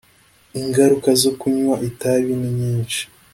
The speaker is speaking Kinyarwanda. Ingaruka zo kunywa itabi ni nyinshi